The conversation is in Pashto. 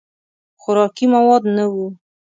خوراکي مواد نه وو.